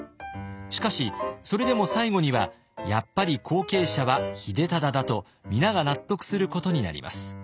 しかしそれでも最後にはやっぱり後継者は秀忠だと皆が納得することになります。